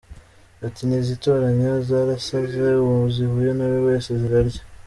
Ati “Ntizitoranya zarasaze, uwo zihuye na we wese zirarya.